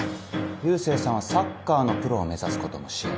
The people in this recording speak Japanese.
佑星さんはサッカーのプロを目指すことも視野に？